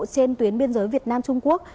trên tuyến biên giới việt nam trung quốc